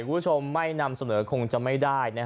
คุณผู้ชมไม่นำเสนอคงจะไม่ได้